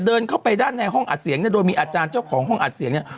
เดินเข้าไปด้านในห้องอัดเสียงเนี่ยโดยมีอาจารย์เจ้าของห้องอัดเสียงเนี่ย